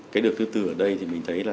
cái được thứ tư ở đây thì mình thấy là